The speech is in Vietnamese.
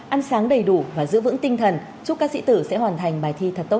ăn sáng đầy đủ và giữ vững tinh thần chúc các sĩ tử sẽ hoàn thành bài thi thật tốt